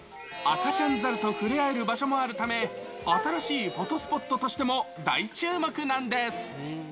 赤ちゃん猿と触れ合える場所もあるため、新しいフォトスポットとしても大注目なんです。